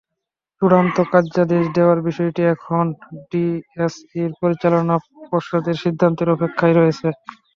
চূড়ান্ত কার্যাদেশ দেওয়ার বিষয়টি এখন ডিএসইর পরিচালনা পর্ষদের সিদ্ধান্তের অপেক্ষায় রয়েছে।